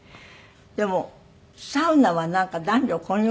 でもサウナはなんか男女混浴なんですって？